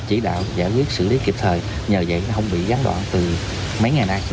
chỉ đạo giải quyết xử lý kịp thời nhờ vậy không bị gắn đoạn từ mấy ngày này